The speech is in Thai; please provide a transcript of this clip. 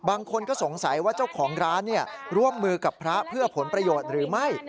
บางคนก็สงสัยว่าเจ้าของร้านร่วมมือกับพระเพื่อผลประโยชน์หรือไม่